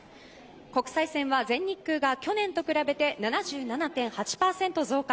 国際線は全日空が去年と比べて７７．８％増加。